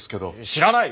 知らない！